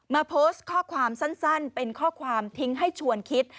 มาโพสต์ข้อความสั้นเป็นข้อความทิ้งให้ชวนคิด